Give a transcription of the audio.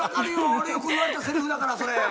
俺よく言われたせりふだからそれ」